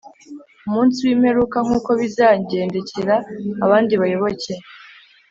umunsi w’imperuka nk’uko bizagendekera abandi bayoboke